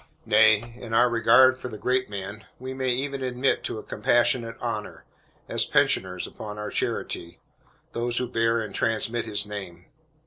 Nay, in our regard for the great man, we may even admit to a compassionate honor, as pensioners upon our charity, those who bear and transmit his name.